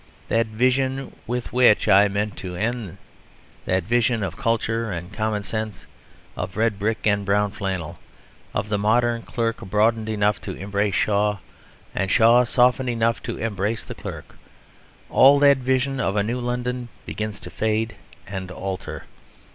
That vision with which I meant to end, that vision of culture and common sense, of red brick and brown flannel, of the modern clerk broadened enough to embrace Shaw and Shaw softened enough to embrace the clerk, all that vision of a new London begins to fade and alter.